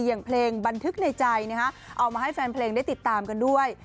อย่างเพลงบันทึกในใจเอามาให้แฟนเพลงได้ติดตามกันด้วย